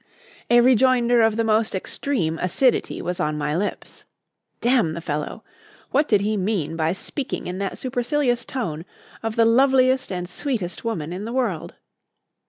A rejoinder of the most extreme acidity was on my lips. Damn the fellow! What did he mean by speaking in that supercilious tone of the loveliest and sweetest woman in the world?